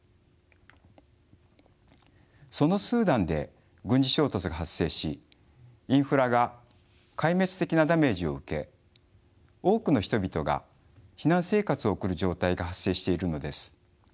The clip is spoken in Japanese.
そのスーダンで軍事衝突が発生しインフラが壊滅的なダメージを受け多くの人々が避難生活を送る状態が発生しているのです。